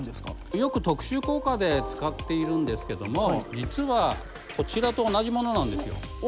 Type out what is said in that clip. よく特殊効果で使っているんですけども実はこちらと同じものなんですよ。